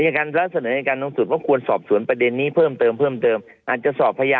อ๋องั้นก็รออยู่สิคะ